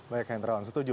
baik hendra saya setuju